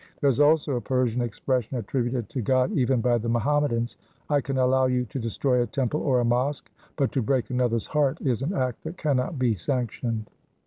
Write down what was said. ' There is also a Persian expression attributed to God even by the Muhammadans :— I can allow you to destroy a temple or a mosque, But to break another's heart, is an act that cannot be sanctioned.